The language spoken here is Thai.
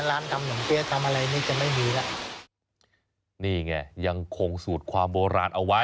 ร้านทำหนมเปี๊ยะทำอะไรนี่จะไม่มีแล้วนี่ไงยังคงสูตรความโบราณเอาไว้